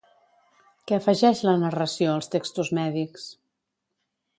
Què afegeix la narració als textos mèdics?